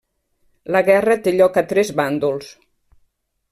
La guerra té lloc a tres bàndols.